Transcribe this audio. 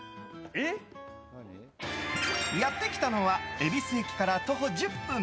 やってきたのは恵比寿駅から徒歩１０分